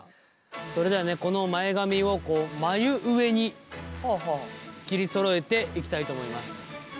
それではねこの前髪をこう眉上に切りそろえていきたいと思います。